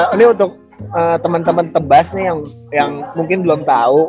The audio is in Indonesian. ini untuk temen temen tebas nih yang mungkin belum tau